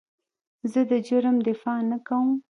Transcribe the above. زه د جرم دفاع نه کوم.